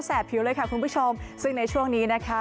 ผิวเลยค่ะคุณผู้ชมซึ่งในช่วงนี้นะคะ